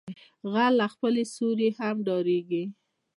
غل له خپل سيوري هم ډاریږي